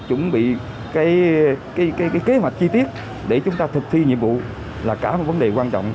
chuẩn bị cái kế hoạch chi tiết để chúng ta thực thi nhiệm vụ là cả một vấn đề quan trọng